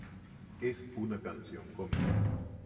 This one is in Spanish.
Es una canción cómica.